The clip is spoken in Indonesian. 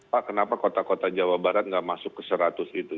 pak kenapa kota kota jawa barat nggak masuk ke seratus itu